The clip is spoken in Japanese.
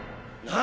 何？